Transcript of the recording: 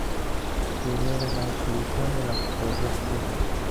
Teoría de la atribución de la psicología social.